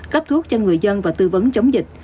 cấp thuốc cho người dân và tư vấn chống dịch